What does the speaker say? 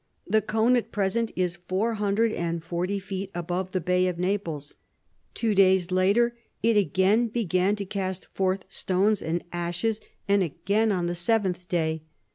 The cone at present is four hundred and forty feet above the Bay of Naples. Two days later it again began to cast forth stones and ashes; and again on the seventh day.